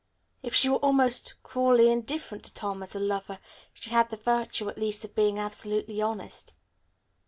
If she were almost cruelly indifferent to Tom as a lover, she had the virtue at least of being absolutely honest.